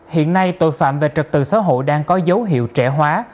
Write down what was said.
hiện nay tội phạm về trật tự xã hội đang có dấu hiệu trẻ hóa